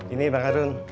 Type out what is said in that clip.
ini bang harun